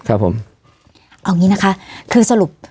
เอาอย่างนี้นะคะคือสรุป